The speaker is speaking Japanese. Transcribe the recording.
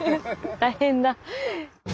大変だ。